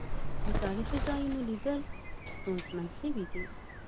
د تاريخي ځا يونوليدل ستونزمن سويدی.